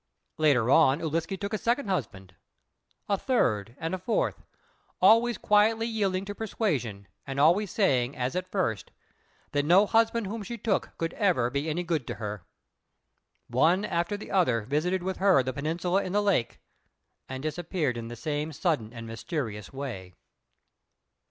Later on, Ūliske took a second husband, a third and a fourth, always quietly yielding to persuasion, and always saying as at first, that no husband whom she took could ever be any good to her. One after the other visited with her the peninsula in the lake and disappeared in the same sudden and mysterious way.